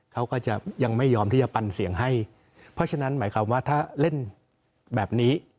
เขาก็จะยังไม่ยอมที่จะปันเสียงให้เพราะฉะนั้นหมายความว่าถ้าเล่นแบบนี้